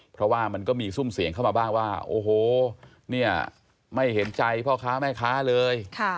เพราะว่ามันก็มีซุ่มเสียงเข้ามาบ้างว่าโอ้โหเนี่ยไม่เห็นใจพ่อค้าแม่ค้าเลย